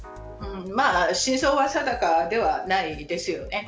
真相は定かではないですよね。